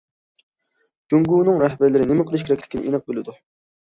‹‹ جۇڭگونىڭ رەھبەرلىرى نېمە قىلىش كېرەكلىكىنى ئېنىق بىلىدۇ››.